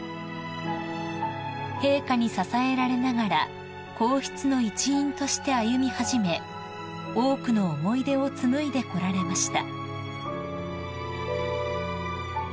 ［陛下に支えられながら皇室の一員として歩み始め多くの思い出を紡いでこられました］